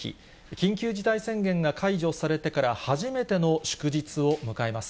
緊急事態宣言が解除されてから初めての祝日を迎えます。